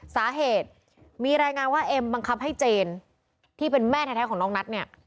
สาเหตุมีรายงานว่าเอ็มบังคับให้เจนที่เป็นแม่แท้ของน้องนัทเนี่ย